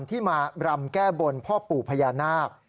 ที่มารำแก้บนพ่อปู่พญานาค